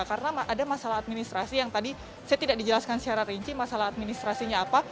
karena ada masalah administrasi yang tadi saya tidak dijelaskan secara rinci masalah administrasinya apa